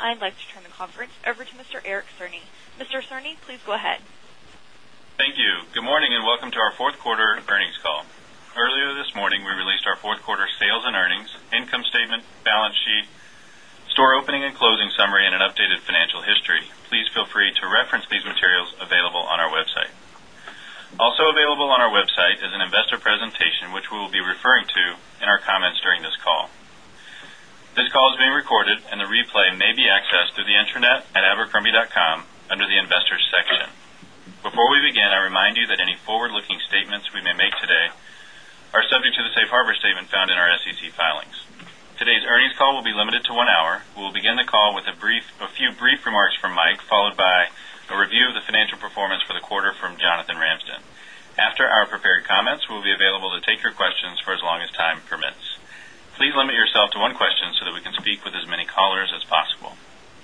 I'd like to turn the conference over to Mr. Eric Cerny. Mr. Cerny, please go ahead. Thank you. Good morning and welcome to our Q4 earnings call. Earlier this morning, we released our Q4 sales and earnings, income statement, balance sheet, store opening and closing summary and financial history. Please feel free to reference these materials available on our website. Also available on our website is an investor presentation, which we will be referring to in our comments during this call. This call is being recorded and the replay may be accessed through the intranet@abercurmy dotcom under the Investors section. Before we begin, I remind you that any forward looking statements we may make today are subject to the Safe Harbor statement found in our SEC filings. Today's earnings call will be limited to 1 hour. We will begin the call with a brief a few brief remarks remarks from Mike followed by a review of the financial performance for the quarter from Jonathan Ramsden. After our prepared comments, we will be available to take your questions for as long as time permits. Please limit yourself to one question so that we can speak with as many callers as possible.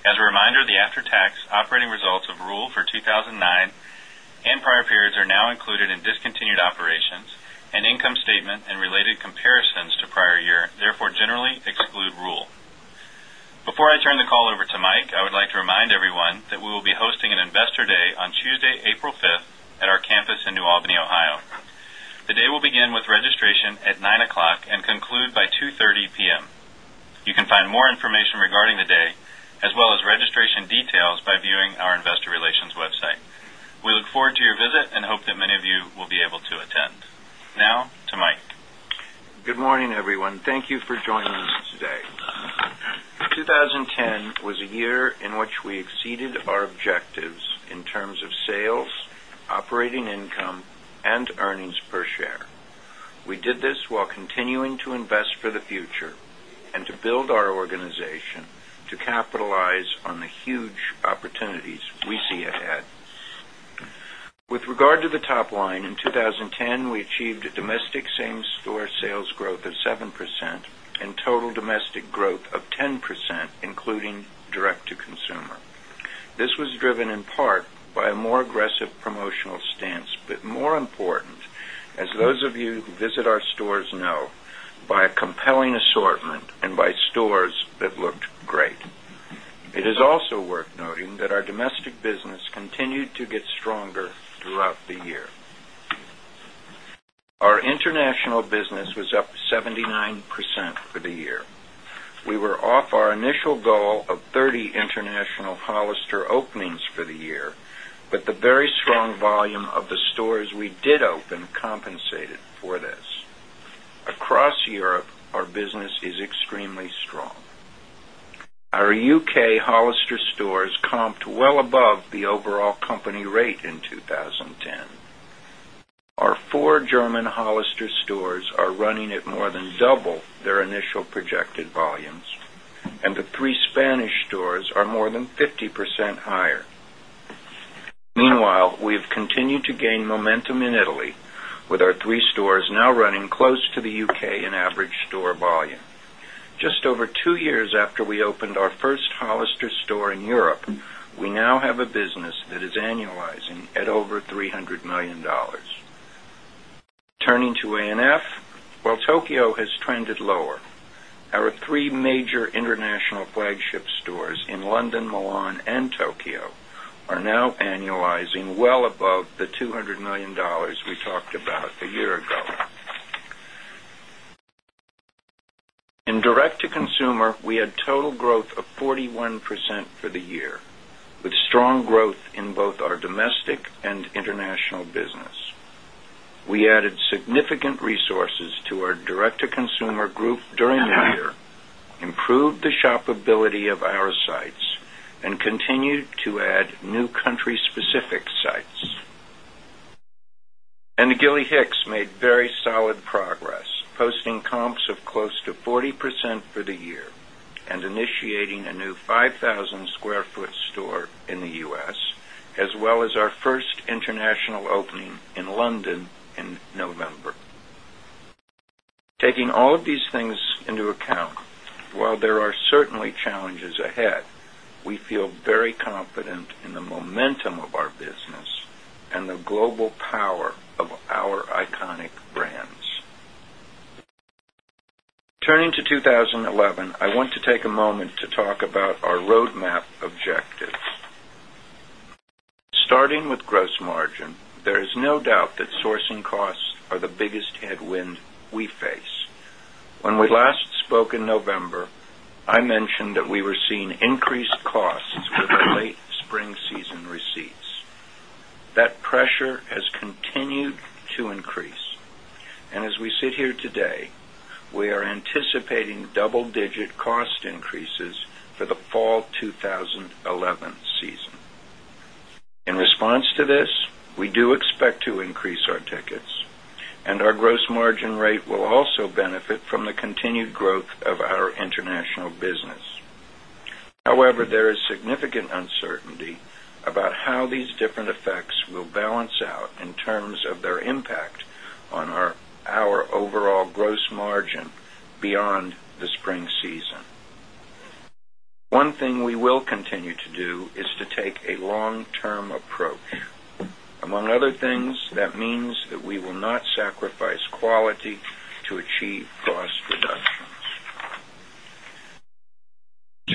As a reminder, the after tax operating results of rule for 2,009 and prior periods are now included in discontinued operations and income statement and related comparisons to prior year, therefore, generally exclude rule. Before I turn the call over to Mike, I would like to remind everyone that we will be hosting an Investor Day on Tuesday, April 5, at our campus in New Albany, Ohio. The day will begin with registration at 9 o'clock and conclude by 2:30 p. M. You can find more information regarding the day as well as registration details by viewing our Investor Relations website. We look forward to your visit and hope that many of you will be able to attend. Now to Mike. Good morning, everyone. Thank you for joining us today. 2010 was a year in which we exceeded our objectives in terms of sales, operating income and earnings per share. We did this while continuing to invest for the future and to build our organization 2010, we achieved domestic same store sales growth of 7% and total domestic growth of 10%, including direct to consumer. This was driven in part by a more aggressive promotional stance, but more important, as those of you who visit our stores know, by a compelling assortment and by stores that looked great. It is also worth noting that our domestic business continued to get stronger throughout the year. Our international business was up 79% for the year. We were off our initial goal of 30 international Hollister openings for the year, but the very strong volume of the stores we did open compensated for this. Across Europe, our business is extremely strong. Our U. K. Hollister stores comped well above the overall company rate in 2010. Our 4 German Hollister stores are running at more than double their initial projected volumes and the 3 Spanish stores are more than 50% higher. Meanwhile, we've 50% higher. Meanwhile, we have continued to gain momentum in Italy with our 3 stores now running close to the UK in average store volume. Just over 2 years after we opened our 1st Hollister store in Europe, we now have a business that is annualizing at over $300,000,000 Turning to A and F, while Tokyo has trended lower, our 3 major international flagship stores in London, Milan and Tokyo are now annualizing well above the CAD200 1,000,000 we talked about a year ago. In direct to consumer, we had total growth of 41% for the year, with strong growth in both our our domestic and international business. We added significant resources to our direct to consumer group during the year, improved the shopability of our sites and continued to add new country specific sites. And the Gilly Hicks made very solid progress, posting comps of close to 40% for the year and initiating a new 5,000 square foot foot certainly challenges ahead, we feel very confident in the momentum of our business and the global power of our iconic brands. Turning to 2011, I want to take a moment to talk about our roadmap objectives. Starting with gross margin, there is no doubt that sourcing costs are the biggest headwind we face. When we last spoke in November, I mentioned that we were seeing increased costs with the late spring season receipts. That pressure has has all 2011 season. In response to this, we do expect to increase our tickets and our gross margin rate will also benefit from the continued growth of our international business. However, there is significant uncertainty about how these different effects will balance out in terms of their impact on our overall gross margin beyond the spring season. One thing we will continue to do is to take a long term approach. Among other things, that means that we will not sacrifice quality to achieve cost reductions.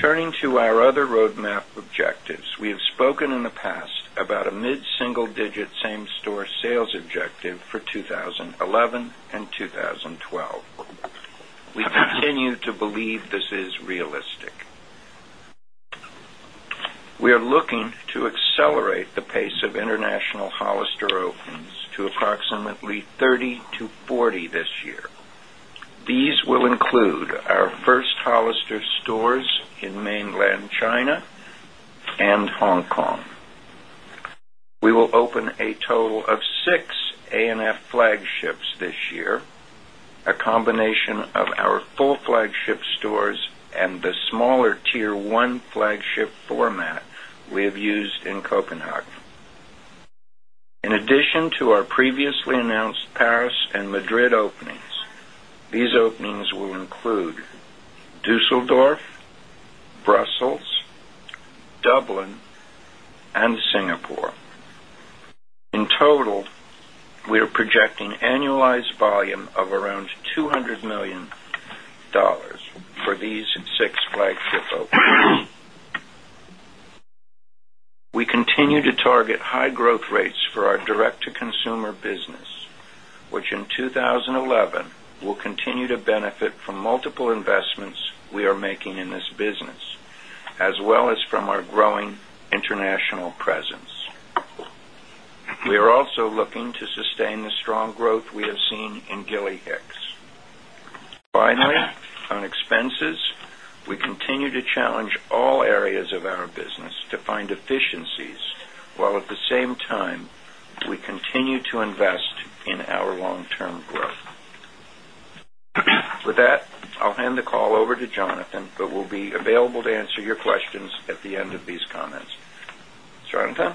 Turning to our other roadmap objectives. We have spoken in the past about a mid single digit same store sales objective for 20 11 2012. We continue to believe this is realistic. We are looking to We are looking to accelerate the pace of international Hollister opens to approximately 30 to 40 this year. These will include our 1st Hollister stores in Mainland China and Hong Kong. We will open a total of 6 A and F flagships this year, a combination of our full flagship stores and the smaller Tier 1 flagship format we have used in Copenhagen. In addition to our previously announced Paris and Madrid openings, these openings will include Dusseldorf, In total, we are projecting annualized volume of around $200,000,000 for these 6 flagship openings. We continue to target high growth rates for our direct to consumer business, which in 2011 will continue to benefit from multiple investments we are making in this business, as well as from our growing international presence. We are also looking to sustain the strong growth we have seen in Gilly Hicks. Finally, on expenses, we continue to challenge all areas of our business to find efficiencies, while at the same time, we continue to invest in our long term growth. With that, I'll hand the call over to Jonathan, but we'll be available to answer your questions at the end of these comments. Jonathan?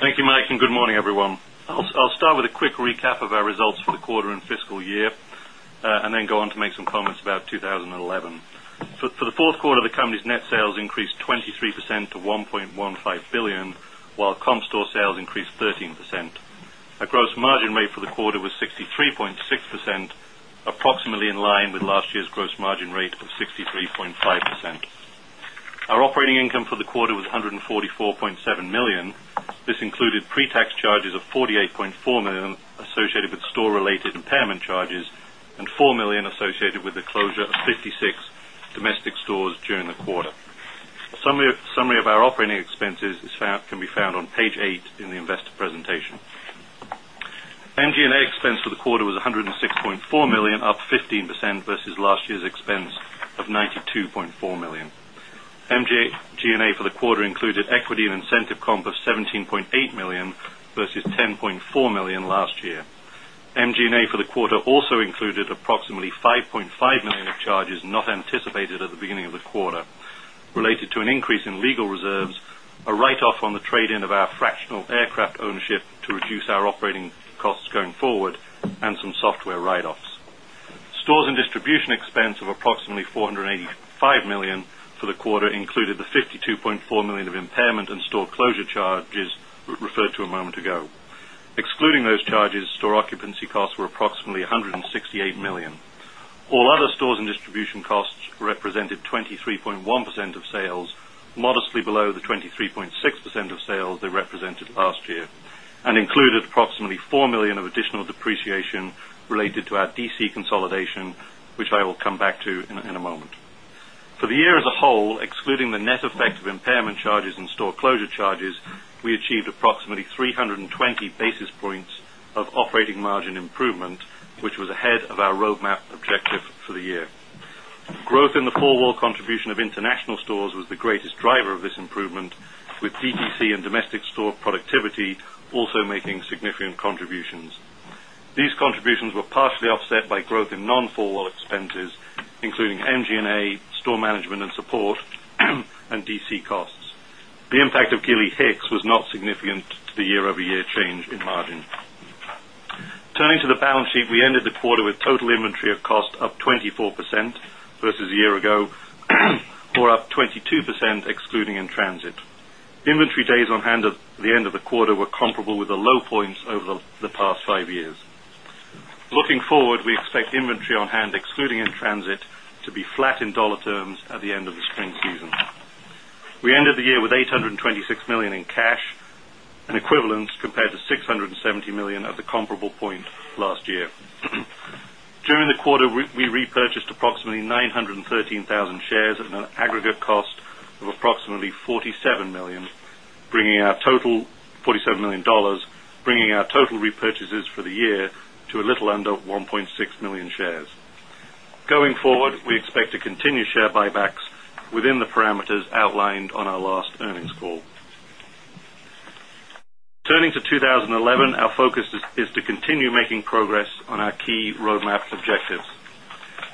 Thank you, Mike, and good morning, everyone. I'll start with a quick recap of our results for the quarter fiscal year and then go on to make some comments about 2011. For the Q4, the company's net sales increased 23 percent to $1,150,000,000 while comp store sales increased 13%. Our gross margin rate for the quarter was 63.6 percent, approximately percent, approximately in line with last year's gross margin rate of 63.5%. Our operating income for the quarter was $144,700,000 This included pretax charges of $48,400,000 associated with store related impairment charges and $4,000,000 associated with closure of 56 domestic stores during the quarter. A summary of our operating expenses can be found on Page 8 in the investor presentation. MG and A expense for the quarter was 100 and $6,400,000 up 15% versus last year's expense of $92,400,000 MG and A for the quarter included equity and incentive comp of $17,800,000 versus $10,400,000 last year. MG and A for the quarter also included approximately $5,500,000 of charges not anticipated at the beginning of the quarter related to an increase in legal reserves, a write off on the trade in of our fractional aircraft ownership to reduce our costs going forward and some software write offs. Stores and distribution expense of approximately $485,000,000 for the quarter included the $52,400,000 of impairment and store closure charges referred to a moment ago. Excluding those charges, store occupancy costs were approximately $168,000,000 All other stores and distribution costs represented 23.1% of sales, modestly below the 23.6% of sales they represented last year and included approximately $4,000,000 of additional depreciation related to our DC consolidation, which I will come back to in a moment. For the year as a whole, excluding the net effect of impairment charges and store closure charges, we achieved approximately 320 basis points of operating margin improvement, which was ahead of our roadmap objective for the year. Growth in the 4 wall contribution of international stores was the greatest driver of this improvement with DTC and domestic store productivity also making significant contributions. These contributions were partially offset by growth in non 4 wall expenses, including MG and A, store management and support and DC costs. The impact of Gilly Hicks was not significant to the year over year change in margin. Turning to the balance sheet. We ended the quarter with total inventory of cost up 24% versus a year ago or up 22% excluding in transit. Inventory days on hand at the end of the quarter were comparable with the low points over the past 5 years. Looking forward, we expect inventory on hand excluding in transit to be flat in dollar terms at the end of the spring season. We ended the year with $826,000,000 in cash, an equivalent compared to $670,000,000 of the comparable point last year. During the quarter, we repurchased approximately 913,000 shares at an aggregate cost of of approximately $47,000,000 bringing our total $47,000,000 bringing our total repurchases for the year to a little under 1,600,000 shares. Going forward, we expect to continue share buybacks within the parameters outlined on our last earnings call. Turning to 2011, our focus is to continue making progress on our key roadmap objectives.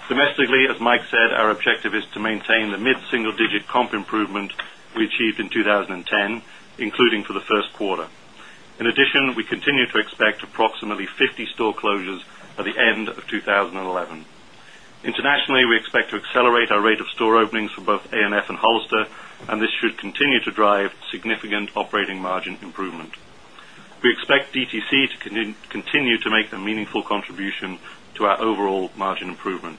Domestically, as Mike said, our our objective is to maintain the mid single digit comp improvement we achieved in 2010, including for the Q1. In addition, we continue to expect approximately 50 store closures at the end of 20 11. Internationally, we expect to accelerate our rate of store openings for both AMF and Hollister, and this should continue to drive significant operating margin improvement. We expect DTC to continue to make a meaningful contribution to our overall margin improvement.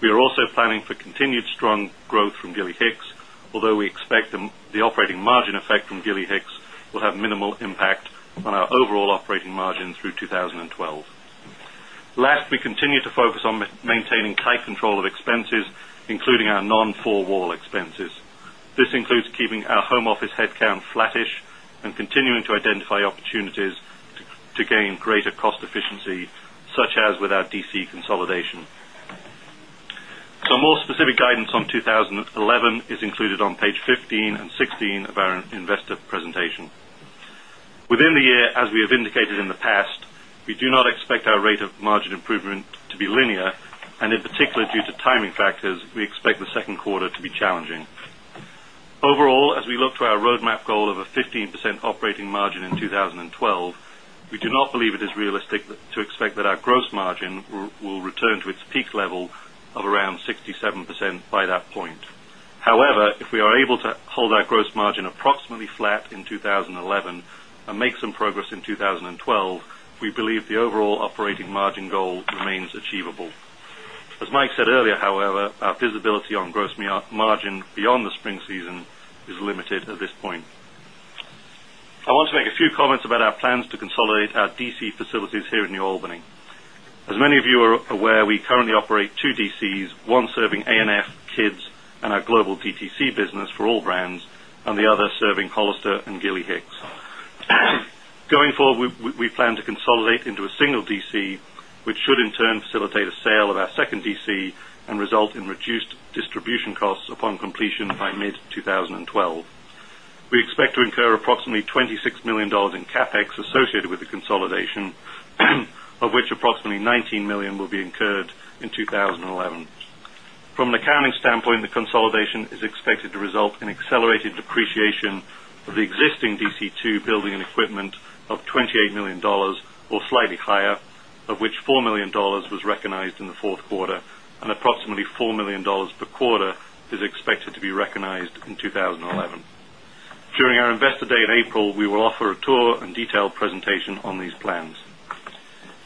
We are also planning for continued strong growth from Gilly Hicks, although we expect the operating margin effect from Gilly Hicks will have minimal impact on our overall operating margin through 2012. Last, we continue to focus on maintaining tight control of expenses, including our non on maintaining tight control of expenses, including our non four wall expenses. This includes keeping our home office headcount flattish and continuing to identify opportunities to gain greater cost efficiency, such as with our DC consolidation. So more specific guidance on 2011 is included on Page 1516 of our investor presentation. Within the year, as we have indicated in the past, we do not expect our rate of margin improvement to be linear and in particular due to timing factors, we expect the Q2 to be challenging. Overall, as we look to our roadmap goal of a 15% operating margin in 2012, we do not believe it is realistic to expect that our gross margin will return to its peak level of around 67% by that point. However, if we are able to hold our gross margin approximately flat in 20 11 and make some progress in 2012, we believe the overall operating margin goal remains achievable. As Mike said earlier, however, our visibility on gross margin beyond the spring season is limited at this point. I want to make a few comments about our plans to consolidate our DC facilities here in New Albany. As many of you are aware, we currently operate 2 DCs, one serving A and F, kids and our global DTC business for all brands and the other serving Hollister and Gilly Hicks. Going forward, we plan to consolidate into a single DC, which should in turn facilitate a sale of our second DC and result in reduced distribution costs upon completion by mid-twenty 12. We expect to incur approximately $26,000,000 in CapEx associated with the consolidation, of which approximately $19,000,000 will be incurred in 2011. From an accounting standpoint, the consolidation is expected to result in accelerated depreciation of the existing DC2 building and equipment of $28,000,000 or slightly higher, of which $4,000,000 was recognized in the 4th quarter and approximately $4,000,000 per quarter is expected to be recognized in 2011. During our Investor Day in April, we will offer a tour and detailed presentation on these plans.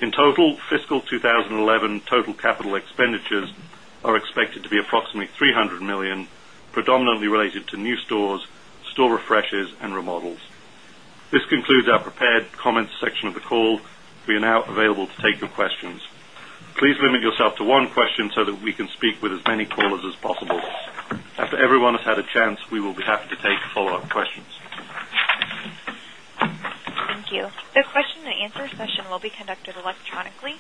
In total, fiscal 20 11 total capital expenditures are expected to be approximately $300,000,000 predominantly related to new stores, store refreshes and remodels. This concludes our prepared comments section of the call. We are now available to take your questions. Please limit yourself to one question so that we can speak with as many callers as possible. After everyone has had a chance, we will be happy to take follow-up questions. Thank you. The question and answer session will be conducted electronically.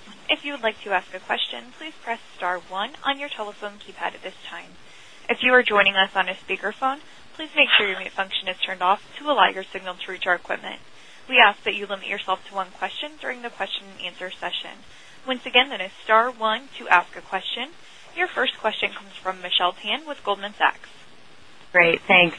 Your first question comes from Michelle Tan with Goldman Sachs. Great. Thanks.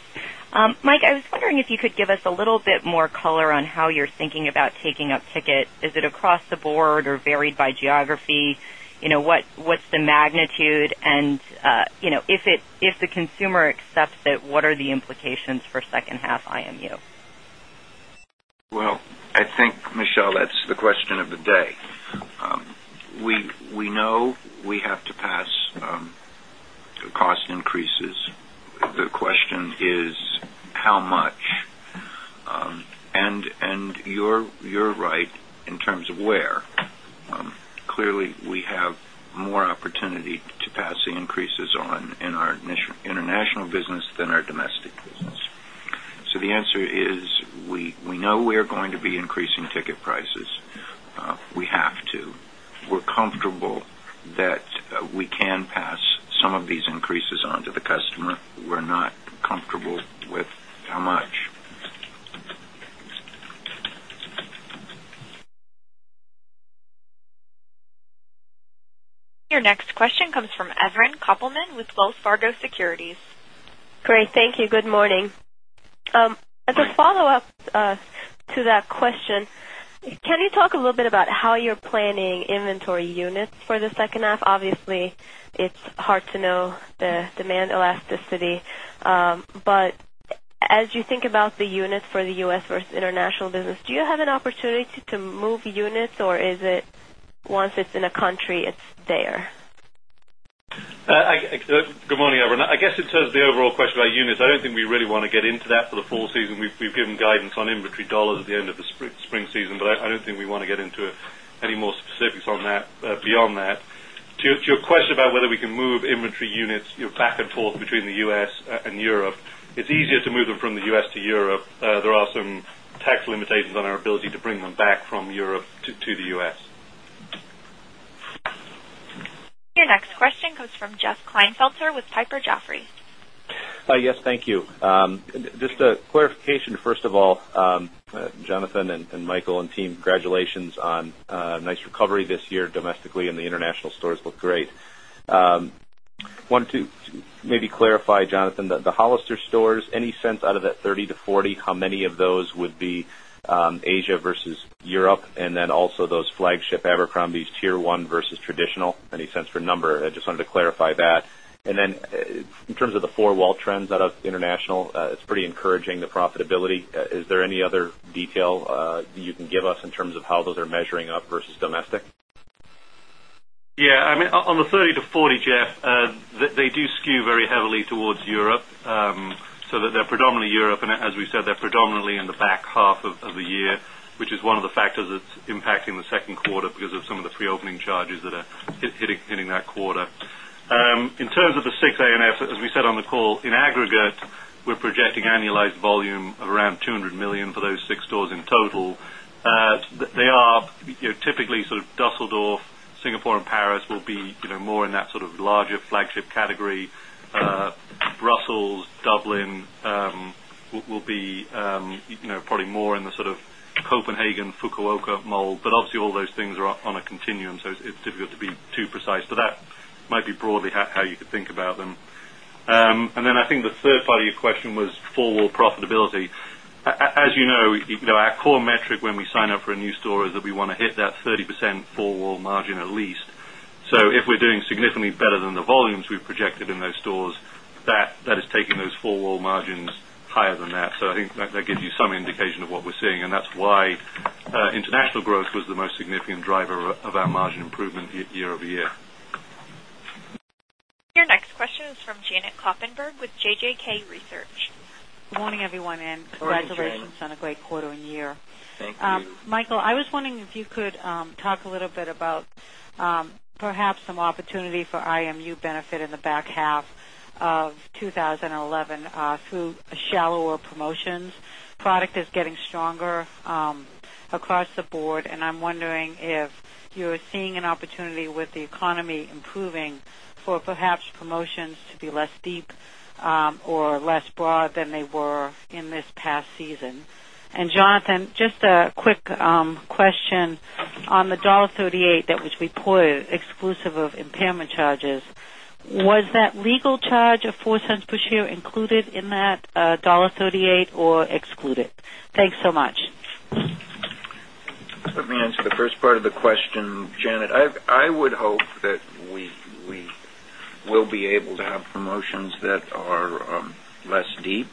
Mike, I was wondering if you could give us a little bit more color on how you're thinking about taking up ticket. Is it across the board or varied by geography? What's the magnitude? And if the consumer accepts it, what are the implications for second half IMU? Well, I think, Michel, that's the question of the day. We know we have to pass cost increases. The question is how much. And you're right in terms of where. Clearly, we have more opportunity to pass the increases on in our international business than our domestic business. So the answer is we know we are going to be increasing ticket prices. We have to. We're increasing ticket prices. We have to. We're comfortable that we can pass some of these increases on to the customer. We're not comfortable with how much. Your next question comes from Evelyn Koppelman with Wells Fargo Securities. Great. Thank you. Good morning. As a follow-up to that question, can you talk a little bit about how you're planning inventory units for the second half? Obviously, it's hard to know the demand elasticity. But as you think about the units for the U. S. Versus international business, do you have an opportunity to move units or is it once it's in a country, it's there? Good morning, everyone. I guess in terms of the overall question I don't think we really want to get into that for the full season. We've given guidance on inventory dollars at the end of the spring season, but I don't think we want to get into any more specifics on that beyond that. To your question about whether we can move inventory units back and forth between the U. S. And Europe, it's easier to move them from the U. S. To Europe. There are some tax limitations on our ability to bring them back from Europe to the U. S. Your next question comes from Jeff Klinefelter with Piper Jaffray. Yes, thank you. Just a clarification, first of all, Jonathan and Michael and team, congratulations on a nice recovery this year domestically and the international stores look great. Wanted to maybe clarify, Jonathan, the Hollister stores, any sense out of that 30 to 40, how many of those would be Asia versus Europe? And then also those flagship Abercrombie's Tier 1 versus traditional, any sense for number? I just wanted to clarify that. And then in terms of the 4 wall trends out of international, it's pretty encouraging the profitability. Is there any other detail you can give us in terms of how those are measuring up versus domestic? Yes. I mean, on the 30 to 40, Jeff, they do skew very heavily towards Europe. So that they're predominantly Europe. And as we said, they're predominantly in the back half of the year, which is one of the factors that's impacting the Q2 because of some of the preopening charges that are hitting that quarter. In terms of the 6 A and F, as we said on the call, in aggregate, we're projecting annualized volume of around $200,000,000 for those 6 stores in total. They are typically sort of Dusseldorf, Singapore and Paris will be more in that sort of larger flagship category. Brussels, Dublin will be probably more in the sort of Copenhagen Fukuoka mold, but obviously all those things are on a continuum. So it's difficult to be too precise. So that might be broadly how you could think about them. And then I think the third part of your question was 4 wall profitability. As you know, our core metric when we sign up for a new store is that we want to hit that 30% 4 wall margin at least. So if we're doing significantly better than the volumes we projected in those stores, that is taking those 4 wall margins higher than that. So I think that gives you some indication of what we're seeing. And that's why international growth was the most significant driver of our margin improvement year over year. Your next question is from Janet Kloppenburg with JJK Research. Good morning, everyone, and congratulations on a great quarter year. Thank you. Michael, I was wondering if you could talk a little bit about perhaps some opportunity for IMU benefit in the back half of twenty eleven through shallower promotions. Product is getting stronger across the board and I'm wondering if you're seeing an opportunity with the economy improving for perhaps promotions to be less deep or less broad than they were in this past season. And Jonathan, just a quick question on the $1.38 that was reported exclusive of impairment charges. Was that legal charge of $0.04 per share included in that $1.38 or excluded? Thanks so much. Let me answer the first part of the question, Janet. I would hope that we will be able to have promotions that are less deep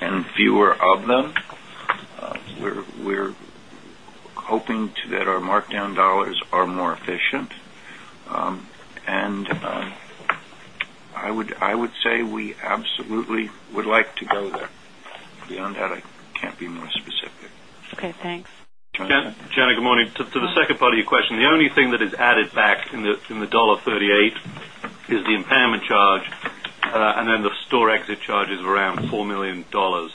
and fewer of them. We're hoping that our markdown dollars are more efficient. And I would say we absolutely would like to go there. Beyond that, I can't be more specific. Okay. Thanks. Janet, good morning. To the second part of your question, the only thing that is added back in the $1.38 is the impairment charge and then the store exit charges were around $4,000,000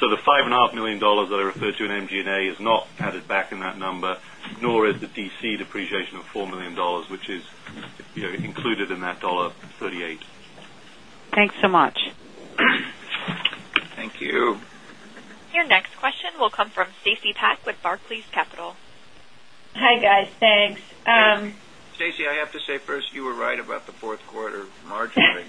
So the $5,500,000 that I referred to in MG and A is not added back in that number nor is the DC depreciation of $4,000,000 which is included in that $1.38 Thanks so much. Thank you. Your next question will come from Stacy Pack with Barclays Capital. Hi, guys. Thanks. Stacy, I have to say first, you were right about the 4th quarter margin rate.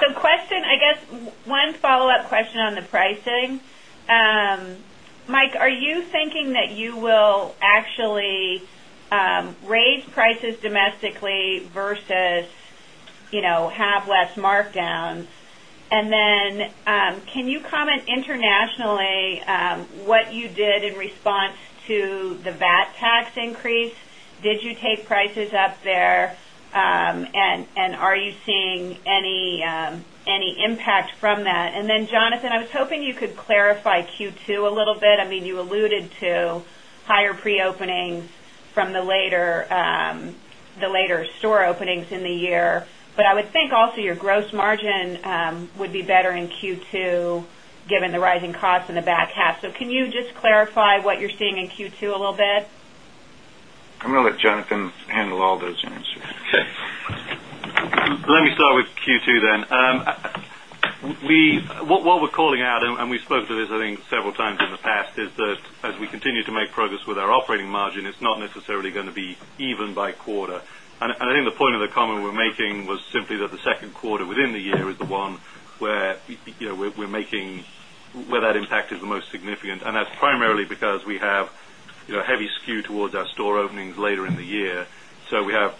So question, I guess, one follow-up question on the pricing. Mike, are you thinking that you will actually raise prices domestically versus have less markdowns? Tax increase? Did you take prices up there? And are you seeing any impact from that? And then Jonathan, I was hoping you could clarify Q2 a little bit. I mean you alluded to higher pre openings from the later store openings in the year. But I would think also your gross margin would be better in Q2 given the rising costs in the back half. So can you just clarify what you're seeing in Q2 a little bit? I'm going to let Jonathan handle all those answers. Okay. Let me can handle all those answers. Okay. Let me start with Q2 then. What we're calling out and we spoke to this I think several times in the past is that as we continue to progress with our operating margin, it's not necessarily going to be even by quarter. And I think the point of the comment we're making was simply that the Q2 within the year is the one where we're making where that impact is the most significant. And that's primarily because we have heavy skew towards our store openings later in the year. So we have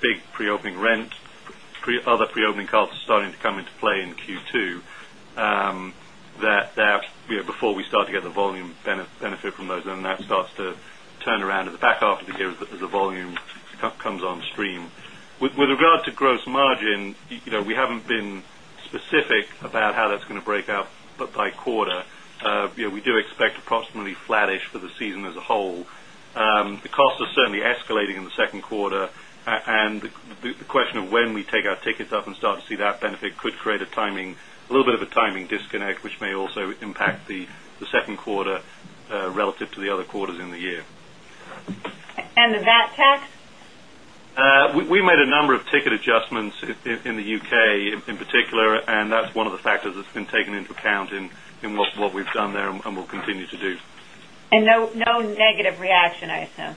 big pre opening rent, other pre opening costs starting to come into play in Q2 that before we start to get the volume benefit from those and that starts to turn around in the back half of the year as the volume comes on stream. With regard to gross margin, we haven't been specific about how that's going to break up by quarter. We do expect approximately flattish for the season as a whole. The costs are certainly escalating in the Q2. And the question of when we take our tickets up and start to see that benefit could create a timing, a little bit of a timing disconnect, which may also impact the which may also impact the Q2 relative to the other quarters in the year. And the VAT tax? We made a number of ticket adjustments in the UK in particular, and that's one of the factors that's been taken into account in what we've done there and we'll continue to do. And no negative reaction, I assume?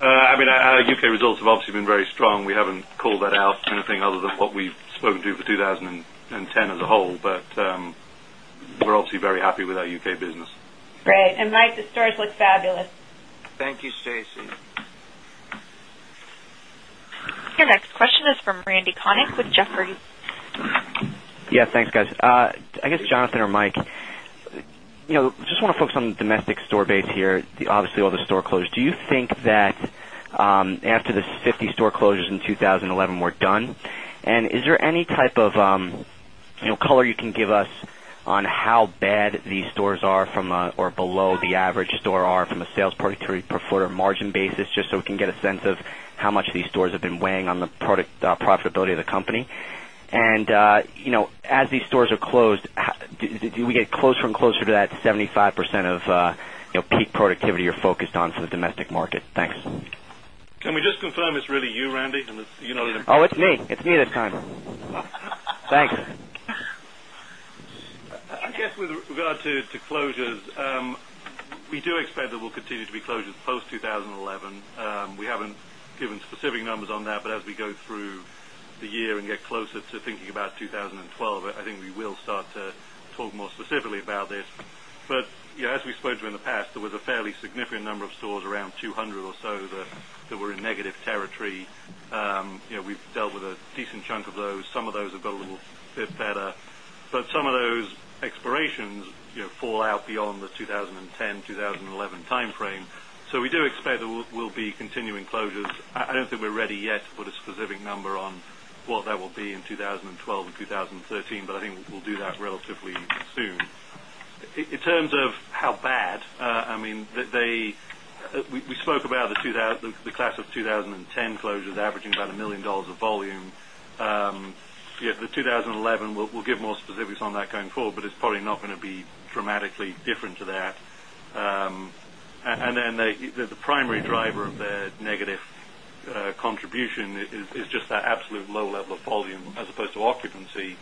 I mean, our UK results have obviously been very strong. We haven't called that out other than what we've spoken to for 20 10 as a whole, but we're obviously very happy with our UK business. Your next Your next question is from Randy Konik with Jefferies. I guess Jonathan or Mike, just want to focus on domestic store base here, obviously all the store closures. Do you think that after the 50 closures in 2011 were done? And is there any type of color you can give us on how bad these stores are from or below the average store are from a sales productivity per foot margin basis just so we can get a sense of how much these stores have been weighing on the product profitability of the company? And as these stores are closed, do we get closer and closer to that 75% of peak productivity you're focused on for the domestic market? Thanks. Can we just confirm it's really you, Randy? Oh, it's me. It's me this time. Thanks. I guess with regard to closures, we do expect that we'll continue to be closures post 2011. We haven't given specific numbers on that, but as we go through the year and get closer to thinking about 2012, I think we will start to talk more specifically about this. But as we spoke to you in the past, there was a fairly significant number of stores around 200 or so that were in negative territory. We've dealt with a decent chunk of those. Some of those have got a little bit better. But some of those explorations fall out beyond the 20 ten-twenty 11 timeframe. So we do expect that we'll be continuing closures. I don't think we're ready yet to put a specific number on what that will be in 20122013, but I think we'll do that relatively soon. In terms of how bad, I mean, they we spoke about the class of 2010 closures averaging about $1,000,000 of volume. The 2011, we'll give more specifics on that going forward, but it's probably not going to be dramatically different to that. And then the primary driver of the negative contribution is just that absolute low level of volume as opposed to occupancy.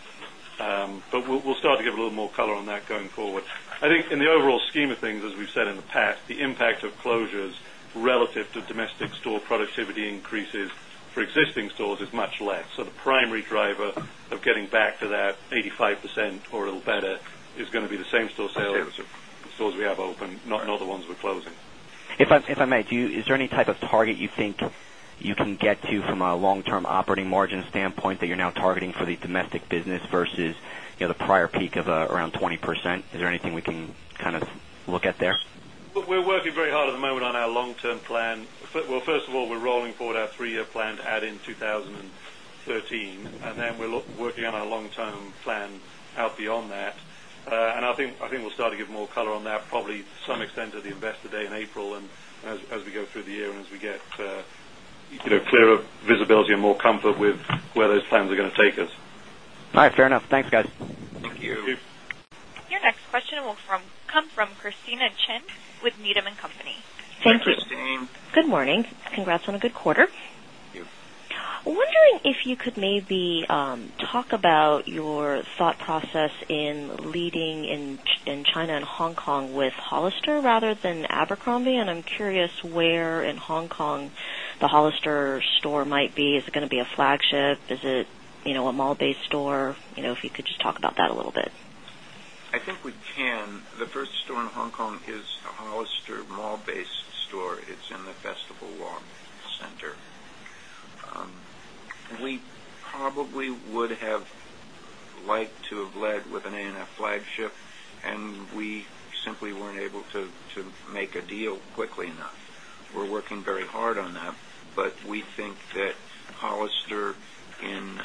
But we'll start to give a little more color on that going forward. I think in the overall scheme of things, as we've said in the past, the impact of closures relative to domestic store productivity increases for existing stores is much less. So the primary driver of getting back to that 85% or a little better is going to be the same store sales of stores we have opened, not the ones we're closing. If I may, is there any type of target you think you can get to from a long term operating margin standpoint that you're now targeting for the domestic business versus the prior peak of around 20%. Is there anything we can kind of look at there? We're working very hard at the moment on our long term plan. First of all, we're rolling forward our 3 year plan to add in 2013 and then we're working on our long term plan out beyond that. And I think we'll start to give more color on that probably to some extent at the Investor Day in April and as we go through the year and as we get clearer visibility and more comfort with where those plans are going to take us. All right, fair enough. Thanks, guys. Thank you. Thank you. Your next question will come from Christina Chen with Needham and Company. Thank Congrats on a good quarter. Wondering if you could maybe talk about your thought process in leading in China and Hong with Hollister rather than Abercrombie? And I'm curious where in Hong Kong the Hollister store might be? Is it going to be a flagship? Is it a mall based store? If you could just talk about that a little I think we can. The first store in Hong Kong is Hollister Mall based store. It's in the Festival Walk Center. We probably would have liked to have led with an A and F flagship and we simply weren't able to make a deal quickly enough. We're working very hard on that, but we think that Hollister in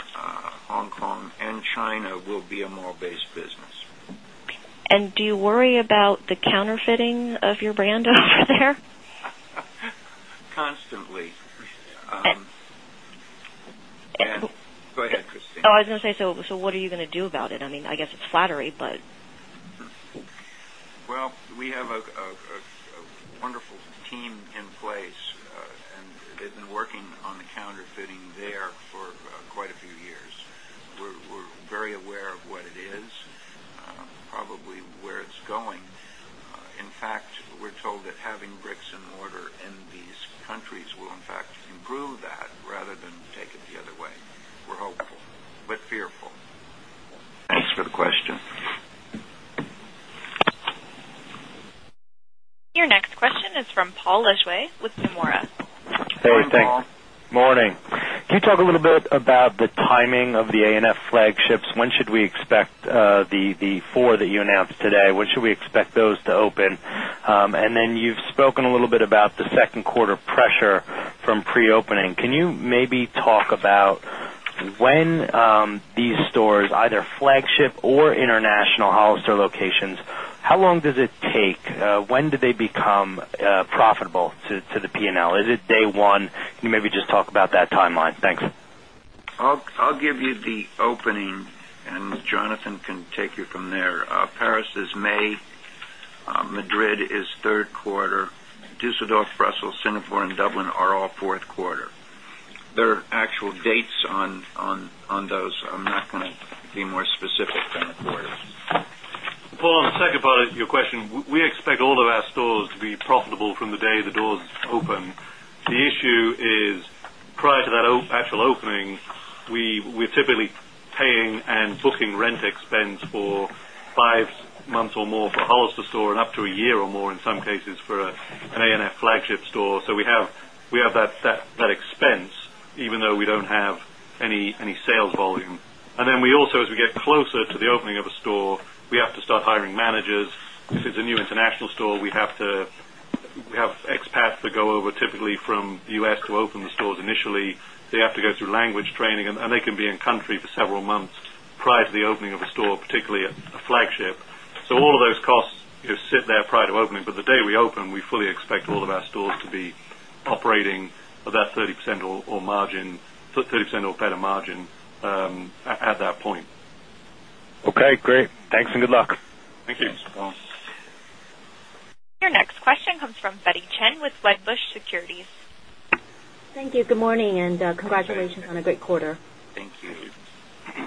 Hong Kong and China will be a moral based business. And do you worry about the counterfeiting of your brand over there? Constantly. Go ahead, Christine. I was going to say, so what are you going to do about it? I mean, I guess it's flattery, but Well, we have a wonderful team in place and they've been working on the counterfeiting there for quite a few years. We're very aware of what it is, probably where it's going. In fact, we're told that having bricks and mortar in these countries will in fact improve that rather than take it the other way. We're hopeful, but fearful. Thanks for the question. Your next question is from Paul Lejuez with Nomura. Hey, Paul. Good morning. Can you talk a little bit about the timing of the A and F flagships? When should we expect the 4 that you announced today? When should we expect those to open? And then you've spoken a little bit about the second quarter pressure from pre opening. Can you maybe talk about when these stores either flagship or international Hollister locations, how long does it take? When do they become profitable to the P and L? Is it day 1? Can you maybe just talk about that timeline? Thanks. I'll give you the opening and Jonathan can take you from there. Paris is May, Madrid is 3rd quarter, Dusseldorf, Brussels, Singapore and Dublin are all 4th quarter. There are actual dates on those. I'm not going to be more specific than the quarter. Paul, on the second part of your question, we expect all of our stores to be profitable from the day the doors open. The issue is prior to that actual opening, we're typically paying and booking rent expense for 5 months or more for Hollister store and up to a year or more in some cases for an ANF flagship store. So we have that expense, even though we don't have any sales volume. And then we also as we get closer to the opening of a store, we have to start hiring managers. If it's a new international store, we have to have expats that go over typically from U. S. To open the stores initially. They have to go through language training and they can be in country for several months prior to the opening of a store, particularly a flagship. So all of those costs sit there prior to opening. But the day we open, we fully expect all of our stores to be operating about 30% or margin 30% or better margin at that point. Your next question comes from Betty Chen with Wedbush Securities. Thank you. Good morning and congratulations on a great quarter. Thank you.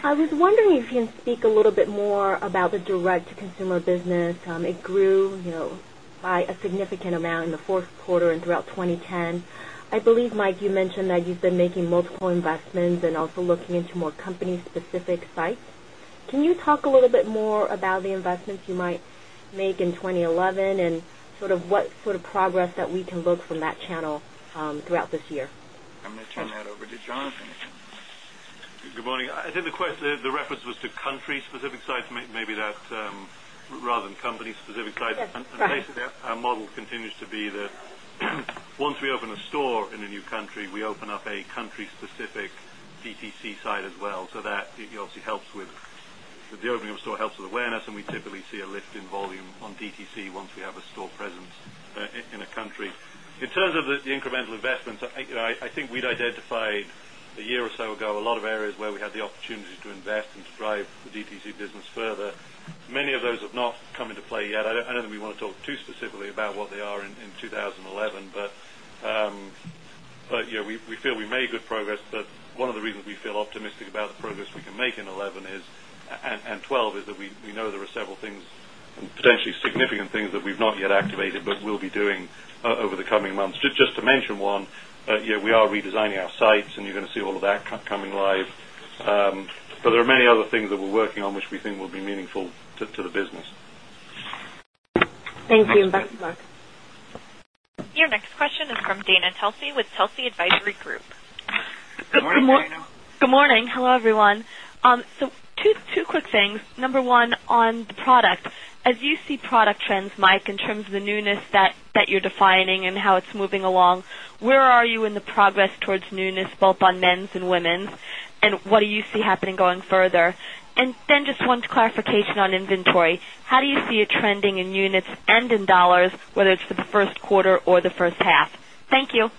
I was wondering if you can speak a little bit more about the direct to consumer business. It grew by a significant amount in the Q4 and throughout 2010. I believe, Mike, you mentioned that you've been making multiple investments and also looking into more company specific sites. Can you talk a little bit more about the investments you might make in 2011? And sort of what sort of progress that we can look from that channel throughout this year? I'm going to turn that over to Jonathan. Good morning. I think the question the reference was to country specific sites, maybe that rather than company specific sites. And the place of that model continues to be that once we open a store in a new country, we open up a country specific DTC site as well. So that obviously helps with specific DTC side as well. So that obviously helps with the opening of a store helps with awareness and we typically see a lift in volume on DTC once we have a store presence in a country. In terms of the incremental investments, I think we'd identified a year or so ago a lot of areas where we had the opportunity to invest and to drive the DTC business further. Many of those have not come into play yet. I don't think we want to talk too specifically about what they are in 2011. But we feel we made good progress, but one of the reasons we feel optimistic about the progress we can make in 2011 is and 2012 is that we know there are several things, potentially significant things that we've not yet activated, but we'll be doing over the coming months. Just to mention one, we are redesigning our sites and you're going to see all of that coming live. But there are many other things that we're working on, which we think will be meaningful to the business. Thank you. Your next question is from Dana Telsey with Telsey Advisory Group. Good morning. Hello, everyone. So two quick things. Number 1, on the product. As you see product trends, Mike, in terms of the newness that you're defining and how it's moving along, where are you in the progress towards newness both on men's and women's? And what do you see happening going further? And then just one clarification on inventory. How do you see it trending in units and in dollars, whether it's for the Q1 or the first half? Thank you.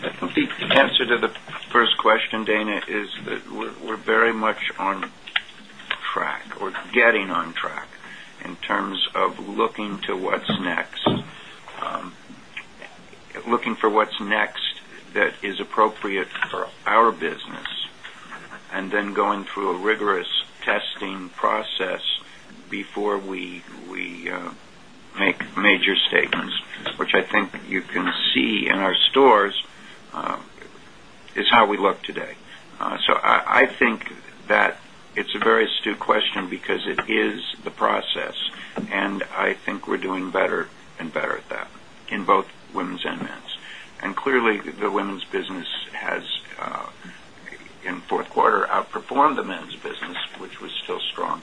The answer to the first question, Dana, is that we're very much on track or getting on track in terms of looking to what's next looking for what's next that is appropriate for our business and then going through a rigorous testing process before we make major statements, which I think you can see in our stores is how we look today. So, I think that it's a very astute question because it is the process. And I think we're doing better and better at that in both women's and men's. And clearly, the women's business has in 4th quarter outperformed the men's business, which was still strong.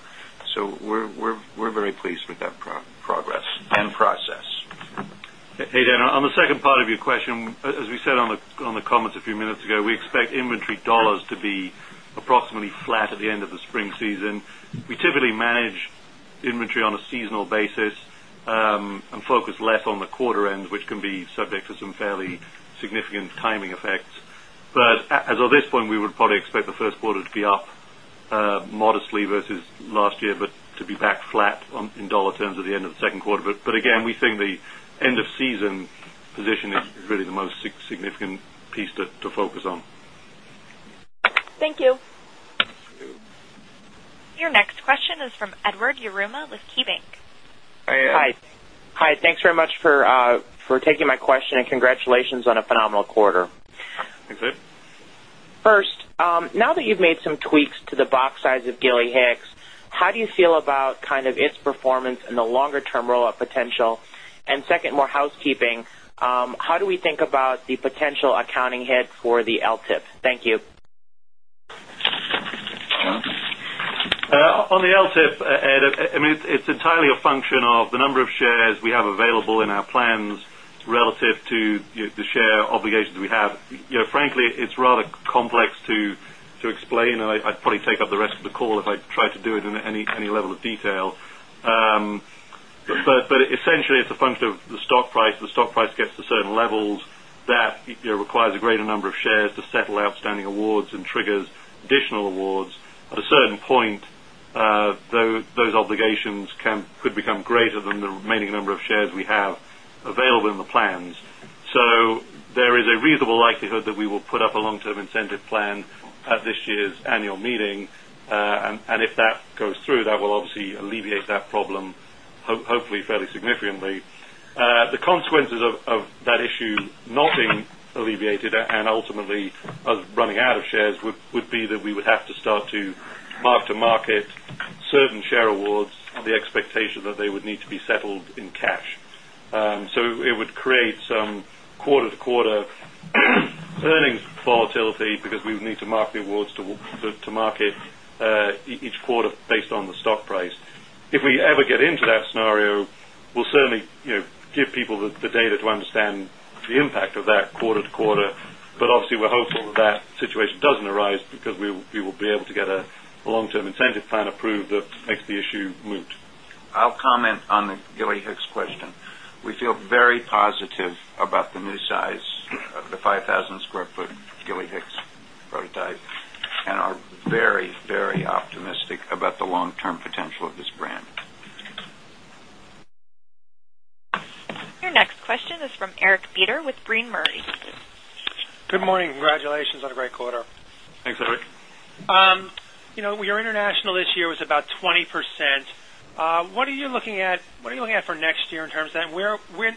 So we're very pleased with that progress and process. Hey, Dan, on the second part of your question, as we said on the comments a few minutes ago, we expect inventory dollars to be approximately flat at the end of the spring season. We typically manage inventory on a seasonal basis and focus less on the quarter end, which can be subject to some fairly significant timing effects. But as of this point, we would expect the Q1 to be up modestly versus last year, but to be back flat in dollar terms at the end of the Q2. But again, we think the end of season position is really the most significant piece to focus on. Thank you. Your next question is from Edward Yruma with KeyBanc. Hi, Edward. Hi, thanks very much for taking my question and congratulations on a phenomenal quarter. First, now that you've made some tweaks to the box size of Gilly Hicks, how do you feel about kind of its performance in the longer term rollout potential? And second, more housekeeping, how do we think about the potential accounting hit for the LTIP? Thank you. On the LTIP, Ed, I mean, it's entirely a function of the number of shares we have available in our plans relative to the share obligations we have. Frankly, it's rather complex to explain. I'd probably take up the rest of the call if I try to do it in any level of detail. But essentially, it's a function of the stock price, the price gets to certain levels that requires a greater number of shares to settle outstanding awards and triggers additional awards. At a certain point, those obligations can could become greater than the remaining number of shares we have available in the plans. So there is a reasonable likelihood that we will put up a long term incentive plan at this year's annual meeting. And if that goes through, that will obviously alleviate that problem, hopefully fairly significantly. The consequences of that issue not being alleviated and ultimately running out of shares would be that we would have to start to mark to market certain share awards, the expectation that they would need to be settled in cash. So it would create some quarter to quarter earnings volatility because we need to mark the awards to market each quarter based on the stock price. If we ever get into that scenario, we'll certainly give people the data to understand the impact of that quarter to quarter. But obviously, we're hopeful that situation doesn't arise because we will be able to get a long term incentive plan approved that makes the issue moot. I'll comment on the Gilly Hicks question. We feel very positive about the new size of the 5,000 square foot Gilly Hicks prototype and are very, very optimistic about the long term potential of this brand. Your next question is from Eric Beder with Breen Murray. Good morning. Congratulations on a great quarter. Thanks, Eric. Your international this year was about 20%. What are you looking at for next year in terms of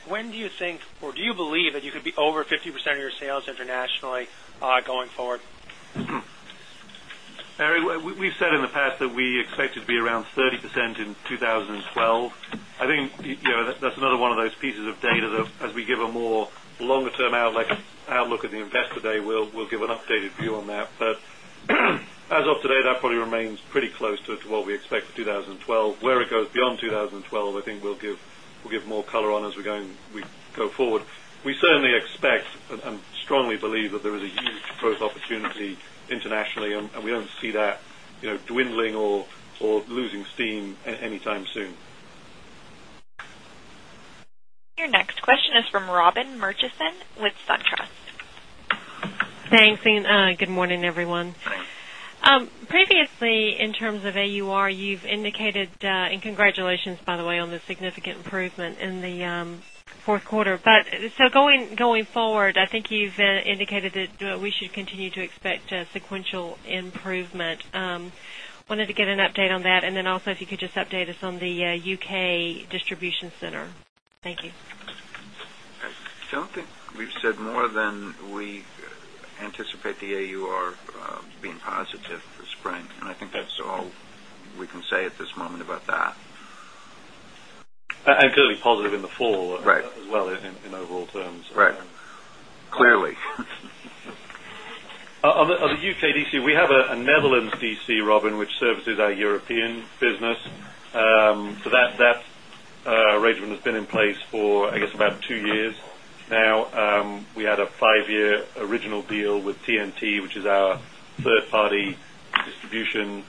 when do you think or do you believe that you could be over 50% of your sales internationally going forward? Harry, we've said in the past that we expect it to be around 30% in 2012. I think that's another one of those pieces of data that as we give a more longer term outlook at the Investor Day, we'll give an updated view on that. But as of today, that probably remains pretty close to what we expect for 2012. Where it goes beyond 2012, I think we'll give more color on as we go forward. We certainly expect and strongly believe that there is a huge growth opportunity internationally and we don't see that dwindling or losing steam anytime soon. Your next question is from Robin Murchison with Sun Thanks and good morning everyone. Previously in terms of AUR you've indicated and congratulations by the way on the significant improvement in the Q4. But so going forward, I think you've indicated that we should continue to expect sequential improvement. Wanted to get an update on that? And then also if you could just update us on the U. K. Distribution center? Thank you. I don't think we've said more than we anticipate the AUR being positive for spring. And I think that's all we can say at this moment about that. Clearly positive in the fall as well in overall terms. Right. Clearly. On the UK DC, we have a Netherlands DC, Robin, which services our European business. So that arrangement has been in place for, I guess, about 2 years now. We had a 5 year original deal with TNT, which is our 3rd party distribution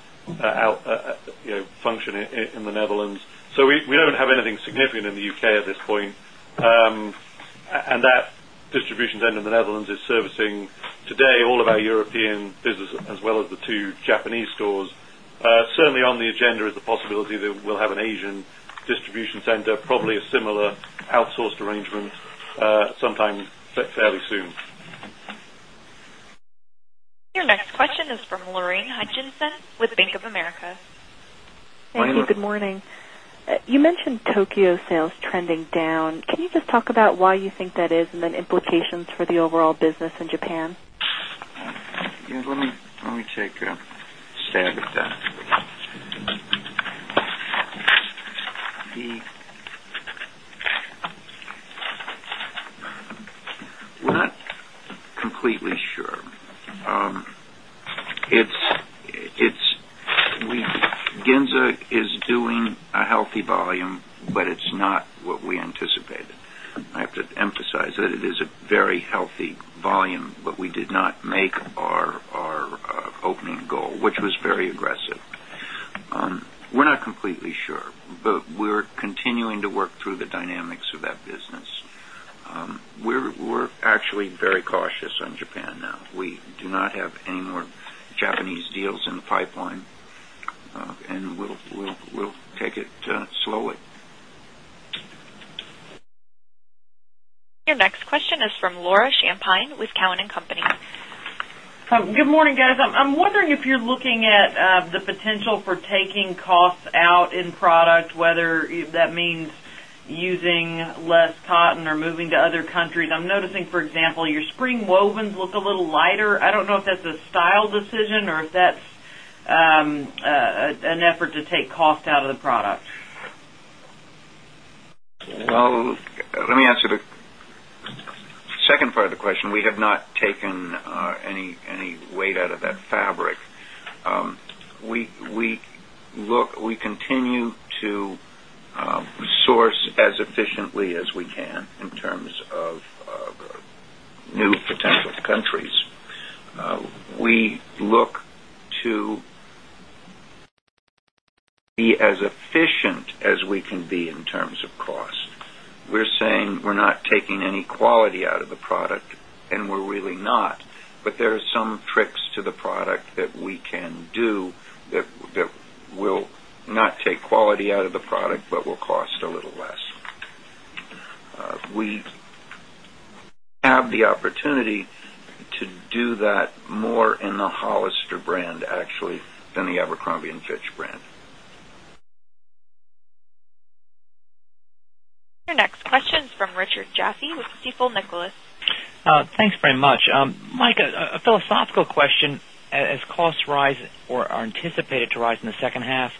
function in the Netherlands. So, we don't have anything significant in the UK at this point. And that distribution center in the Netherlands is servicing today all of our European business as well as the 2 Japanese stores. Certainly, on the agenda is the possibility that we'll have an Asian distribution center, probably a similar outsourced arrangement sometime fairly soon. Your next question is from Lorraine Hutchinson with Bank of America. You mentioned Tokyo sales trending down. Can you just talk about why you think that is and then implications for the overall business in Japan? Yes, let me take a stab at that. We're not completely sure. It's Ginza is doing a healthy volume, but it's not what we anticipated. I have to emphasize that it is a very healthy volume, but we did not make our opening goal, which was very aggressive. We're not completely sure, but we're continuing to work through the dynamics of that business. We're actually very cautious on Japan now. We do not have any more Japanese deals in pipeline and we'll take it slowly. Your next question is from Laura Champine with Cowen and Company. Good morning, guys. I'm wondering if you're looking at the potential for taking costs out in product, whether that means using less cotton or moving to other countries. I'm noticing, for example, your spring wovens look a little lighter. I don't know if that's a question. We have not taken any weight out of that part of the question. We have not taken any weight out of that fabric. We look we continue to source as efficiently as we can in terms of new potential countries. We look to be as efficient as we can be in terms of cost. We're saying we're not taking any quality out of the product and we're really not, but there are some tricks to the product that we can do that will not take quality out of the product, but will cost a little less. We have the opportunity to do that more in the Hollister brand actually than the Abercrombie and Fitch brand. Your next question is from Your next question is from Richard Jaffe with Stifel Nicolaus. Thanks very much. Mike, a philosophical question. As costs rise or are anticipated to rise in the second half,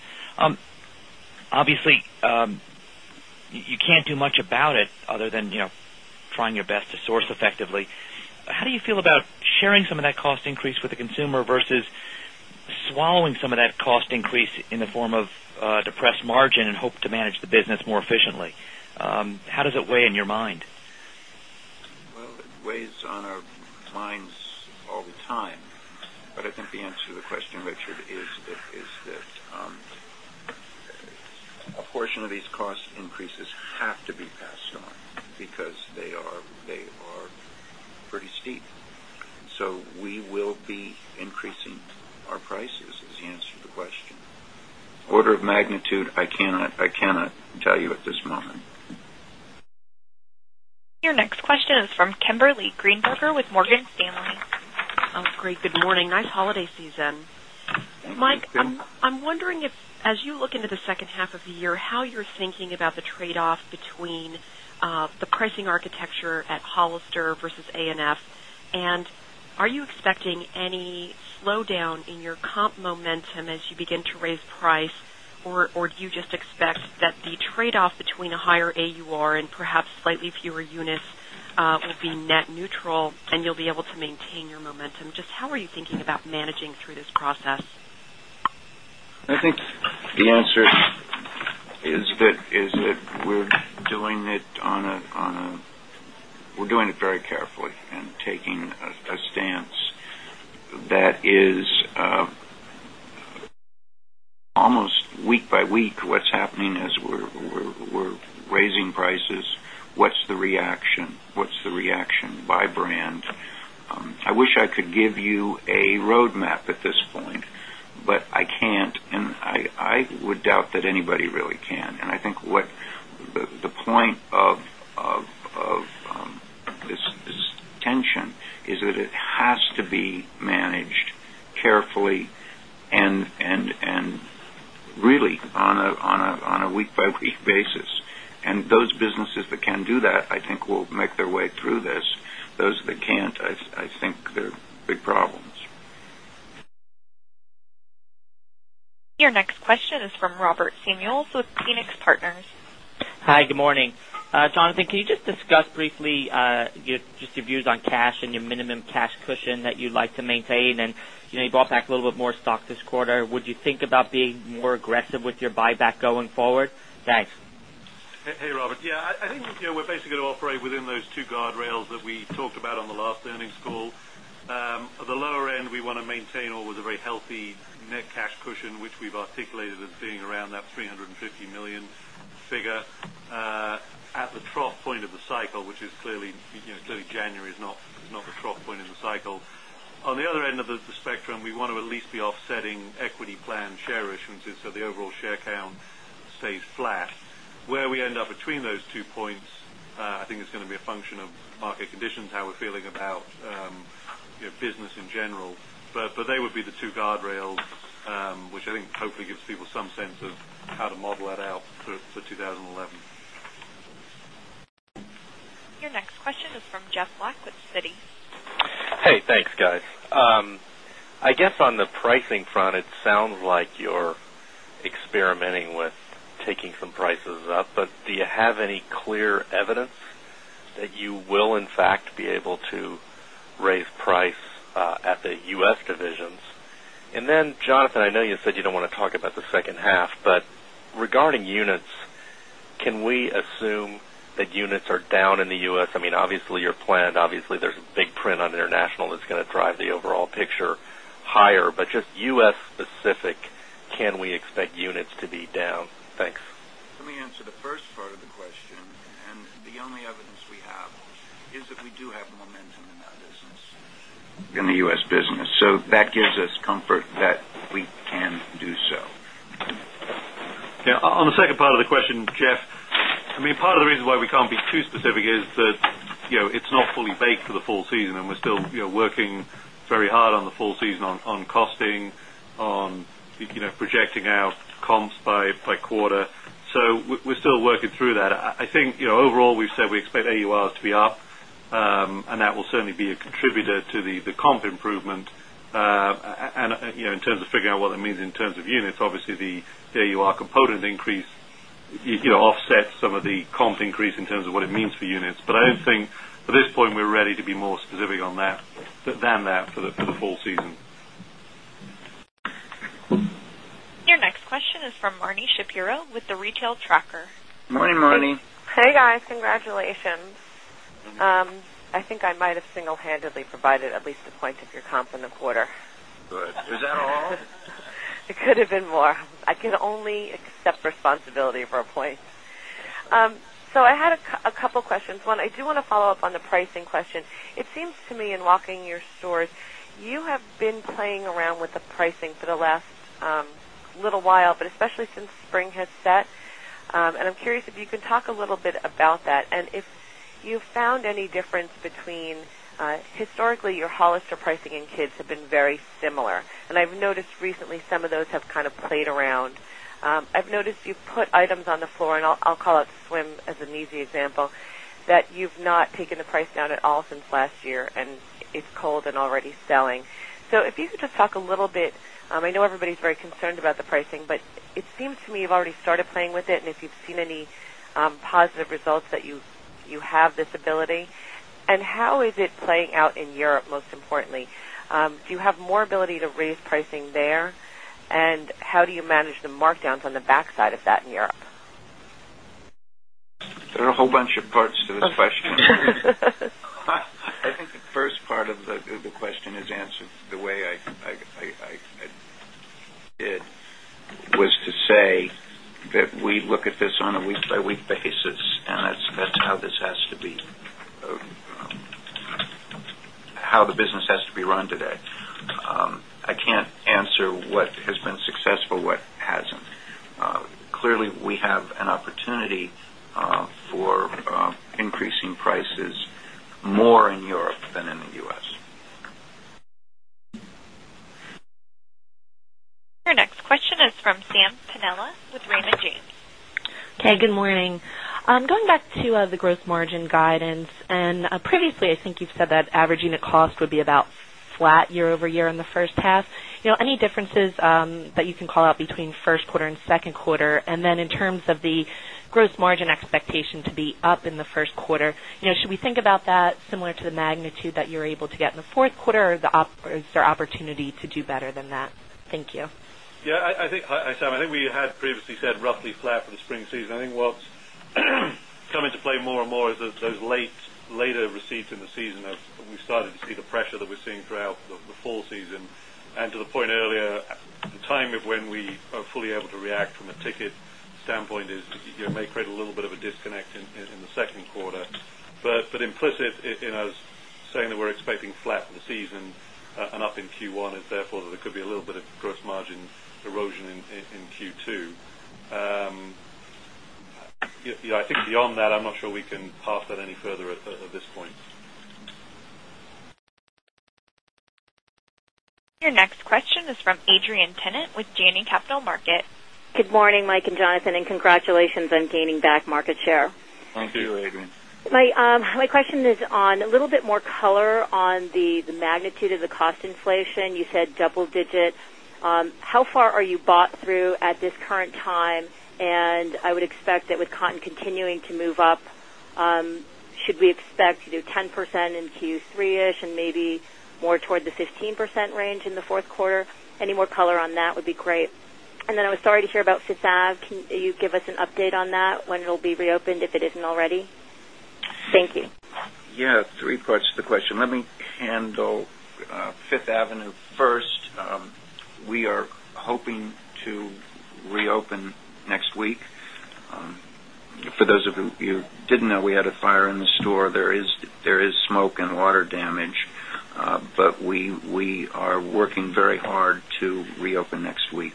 obviously, you can't do much about it other than trying your best to source effectively. How do you feel about sharing some of that cost increase with the consumer versus swallowing some of that cost increase in the form of depressed margin and hope to manage the business more efficiently? How does it weigh in your mind? Well, it weighs on our minds all the time. But I think the answer to the question Richard is that a portion of these cost increases have to be passed on because they are pretty steep. So we will be increasing our prices is the answer to the question. Order of magnitude, I cannot tell you at this moment. Your next question is from Kimberly Greenberger with Morgan Stanley. Great. Good morning. Nice holiday season. Mike, I'm wondering if as you look into the second half of the year, how you're thinking about the trade off between the pricing architecture at Hollister versus A and F? And are you expecting any slowdown in your comp momentum as you begin to raise price? Or do you just expect that the trade off between a higher AUR and perhaps slightly fewer units will be net neutral and you'll be able to maintain your momentum? Just how are you thinking about managing through this process? I think the answer is that we're doing it on a we're doing it very carefully and taking a stance that is almost week by week what's happening is we're raising prices, what's that anybody really can. And I think what the point of this tension is that it has to be managed carefully and really on a week by week basis. And those businesses that can do that, I think will make their way through this. Those that can't, I think they're big problems. Your next question is from Robert Samuels with Phoenix Partners. Jonathan, can you just discuss briefly just your views on cash and your minimum cash cushion that you'd like to maintain? And you bought back a little bit more stock this quarter. Would you think about being more aggressive with your buyback going forward? Thanks. Hey, Robert. Yes, I think we're basically going to operate within those 2 guardrails that we talked about on the last earnings call. At the lower end, we want to maintain all with a very healthy net cash cushion, which we've articulated as being around that €350,000,000 figure at the trough point of the cycle, which is clearly January is not a trough point in the cycle. On the other end of the spectrum, we want to at least be offsetting equity plan share issuances, so the overall share count stays flat. Where we end up between those two points, I think it's going to be a function of market conditions, how we're feeling about business in general. But they would be the 2 guardrails, which I think hopefully gives people some sense of how to model that out for 2011. Your next question is from Jeff Black with Citi. Hey, thanks guys. I guess on the pricing front, it sounds like you're experimenting with taking some prices up, but do you have any clear evidence that you will in fact be able to raise price at the U. S. Divisions? And then, Jonathan, I know you said you don't want to talk about the second half, but regarding units, can we assume that units are down in the units, can we assume that units are down in the U. S? I mean, obviously, your plan, obviously, there's a big print on international that's going to drive the overall picture higher, but just U. S. Specific, can we expect units to be down? Thanks. Let me answer the first part of the question. And the only evidence we have is that we do have momentum in that business, in the U. S. Business. So that gives us comfort that we can do so. Yes. On the second part of the question, Jeff, I mean, part of the reason why we can't be too specific is that it's not fully baked for the full season and we're still working very hard on the full season on costing, on projecting out comps by quarter. So we're still working through that. I think overall, we've said we expect AURs to be up and that will certainly be a contributor to the comp improvement. And in terms of figuring out what it means in terms of units, obviously, the AUR component increase offsets some of the comp increase in terms of what it means for units. But I don't think at this point, we're ready to be more specific on that than that for the full season. Your next question is from Arne Shapiro with The Retail Tracker. Good morning, Arne. Hey, guys. Congratulations. I think I might have single handedly provided at least a point of your comp in the quarter. Good. Is that all? It could have been more. I can only accept responsibility for a point. So I had a couple of questions. 1, I do want to follow-up on the pricing question. It seems to me in walking your stores, you have been playing around with the pricing for the last little while, but especially since spring has set. And I'm curious if you could talk a little bit about that. And if you found any difference between historically, your Hollister pricing in kids have been very similar and I've noticed recently some of those have kind of played around. I've noticed you put items on the floor and I'll call it swim as an easy example that you've not taken the price down at all since last year and it's cold and already selling. So if you could just talk a little bit, I know everybody is very concerned about the pricing, but it seems to me you've already started playing with it and if you've seen any positive results that you this ability? And how is it playing out in Europe most importantly? Do you have more ability to raise pricing there? And how do you manage the markdowns on the backside of that in Europe? There are a whole bunch of parts to this question. I think the first part of the question is answered the way I did was to say that we look at this on a week by week basis and that's how this has to be how the business has to be run today. I can't answer what has been successful, what hasn't. Clearly, we have an opportunity for increasing prices more in Europe than in the U. S. Your next question is from Sam Panella with Raymond James. Hey, good morning. Going back to the gross margin guidance and previously I think you've said that average unit cost would be about flat year over year in the first half. Any differences that you can call out between Q1 and Q2? And then in terms of the gross margin expectation to be up in the Q1, should we think about that similar to the magnitude that you're able to get in the Q4 or is there opportunity to do better than that? Thank you. Yes. I think, Sam, I think we had previously said roughly flat for the spring season. I think what's coming to play more and more is those late later receipts in the season, we started to see the pressure that we're seeing throughout the fall season. And to the point earlier, the timing of when we are fully able to react from a ticket standpoint is, it may create a little bit of a disconnect in the second quarter. But implicit in us saying that we're expecting flat for the season and up in Q1 and therefore there could be a little bit of gross margin erosion in Q2. I think beyond that, I'm not sure we can pass that any further at this point. Your next question is from Adrienne Tennant with Janney Capital Markets. Good morning, Mike and Jonathan, and congratulations on gaining back market share. Thank you, Adrienne. My question is on a little bit more color on the magnitude of the cost inflation. You said double digit. How far are you bought through at this current time? And I would expect that with cotton continuing to move up, should we expect to do 10% in Q3 ish and maybe more toward the 15% range in the 4th quarter? Any more color on that would be great. And then I was sorry to hear about 5th Ave. Can you give us an update on that when it will be reopened if it isn't already? Thank you. Yes. Three parts to the question. Let me handle Fifth Avenue first. We are hoping to reopen next week. For those of you who didn't know, we had a fire in the store. There is smoke and water damage, but we are working very hard to reopen next week.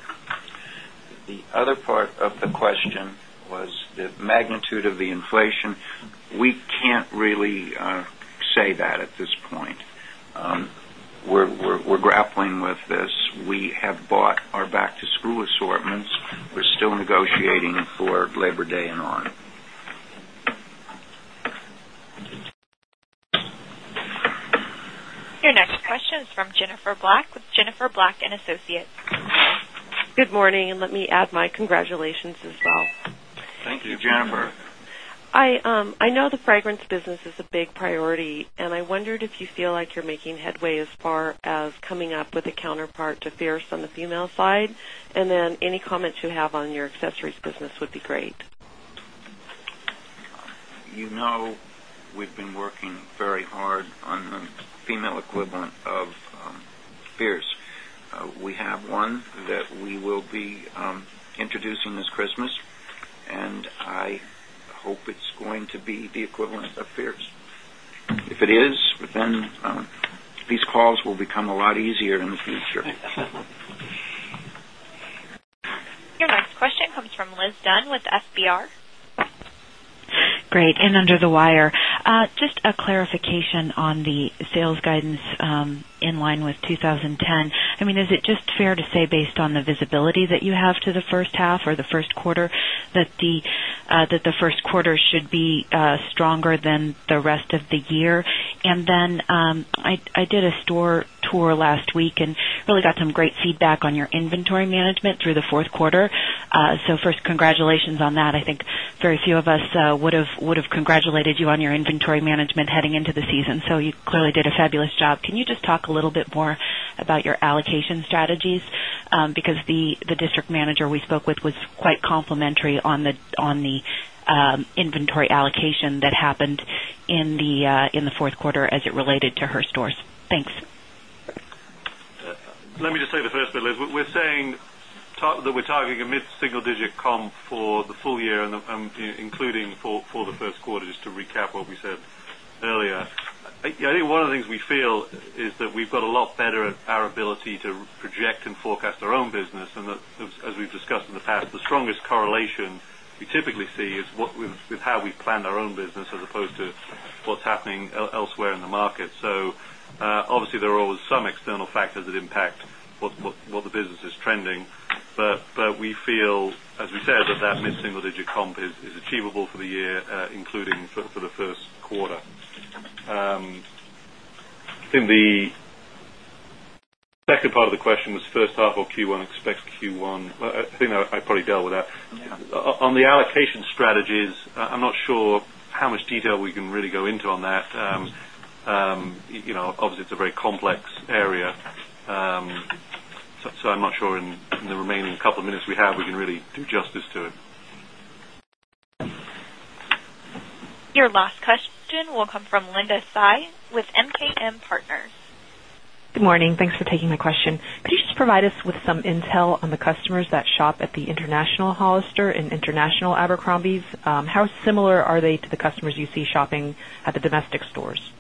The other part of the question was the magnitude of the inflation. We can't really say that at this point. We're grappling with this. We have bought our back to school assortments. We're still negotiating for Labor Day in Ireland. Your next question is from Jennifer Black with Black and Associates. Good morning. And let me add my congratulations as well. Thank you, Jennifer. I know the fragrance business is a big priority. And I wondered if you feel like you're making headway as far as coming up with a counterpart to Fierce on the female side? And then any comments you have on your accessories business would be great. You know we've been working very hard on the female equivalent of Fierce. We have one that we will be introducing this Christmas and I hope it's going to be the equivalent of Fierce. If it is, then these calls will become a lot easier in the future. Your next question comes from Liz Dunn with FBR. Great. And under the wire, just a clarification on the sales guidance in line with 20.10. I mean, is it just fair to say based on the visibility that you have to the first half or the first quarter that the Q1 should be stronger than the rest of the year? And then I did a store tour last week and really got some great feedback on your inventory management through the Q4. So first congratulations on that. I think very few of us would have congratulated you on your inventory management heading into the allocation strategies? Because the district manager we spoke with was quite complementary on the inventory allocation that happened in the Q4 as her stores? Thanks. Let me just say the first bit, Liz. We're saying that we're targeting a mid single digit comp for the full year and including for the Q1, just to recap what we said earlier. I think one of the things we feel is that we've got a lot better at our ability to project and forecast our own business. And as we've discussed in the past, the strongest correlation we typically see is what we've with how we planned our own business as opposed to what's happening elsewhere in the market. So, obviously, there are always some external factors that impact what the business is trending. But we feel, as we said, that that mid single digit comp is achievable for the year, including for the Q1. In the second part of the question was first half of Q1, expect Q1, I think I probably dealt with that. The allocation strategies, I'm not sure how much detail we can really go into on that. Obviously, it's a very complex area. So I'm not sure in the remaining couple of minutes we have, we can really do justice to it. Your last question will come from Linda Tsai with MKM Partners. Good morning. Thanks for taking my question. Could you just provide us with some intel on the customers that shop at the International Hollister and International Abercrombie's? How similar are they to the customers you see shopping at the domestic stores?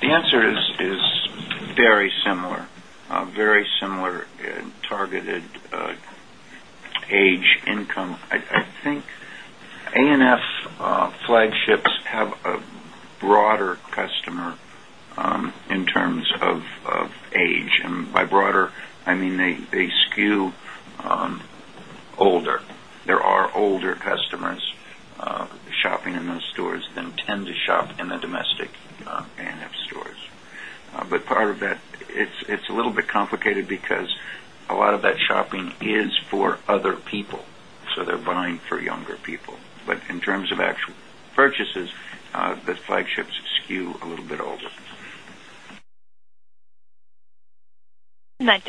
The answer is very similar, very similar targeted age income. I think A and F flagships have a broader customer in terms of age. And by broader, I mean they skew older. There are older customers shopping in those stores than tend to shop in the domestic A and F stores. But part of that, it's a little bit complicated because a lot of that bit complicated because a lot of that shopping is for other people. So they're buying for younger people. But in terms of actual purchases, the flagships skew a little bit older. And that